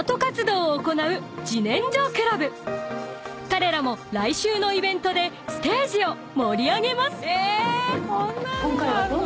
［彼らも来週のイベントでステージを盛り上げます］